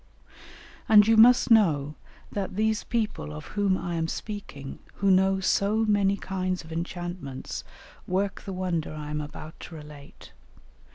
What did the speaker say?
And you must know that these people of whom I am speaking, who know so many kinds of enchantments, work the wonder I am about to relate.